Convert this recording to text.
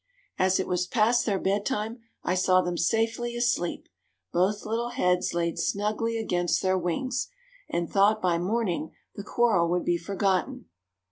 As it was past their bedtime I saw them safely asleep, both little heads laid snugly against their wings, and thought by morning the quarrel would be forgotten.